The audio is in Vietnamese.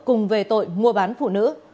cùng về tội mua bán phụ nữ